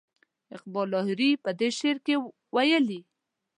لاهوري اقبال په دې شعر کې ویلي.